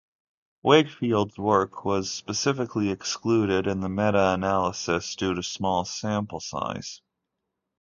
Wakefield's work was specifically excluded in the meta-analysis due to small sample size.